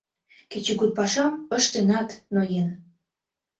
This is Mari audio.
Кечыгут пашам ыштенат, ноен.